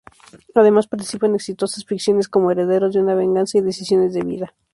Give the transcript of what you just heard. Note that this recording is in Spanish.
Además participa en exitosas ficciones como "Herederos de una venganza" y "Decisiones de vida".